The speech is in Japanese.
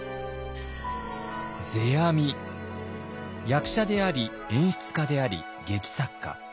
役者であり演出家であり劇作家。